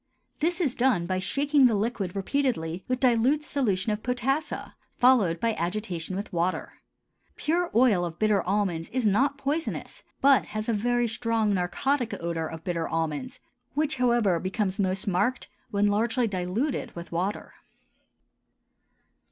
This is done by shaking the liquid repeatedly with dilute solution of potassa, followed by agitation with water. Pure oil of bitter almonds is not poisonous, but has a very strong narcotic odor of bitter almonds, which, however, becomes most marked when largely diluted with water.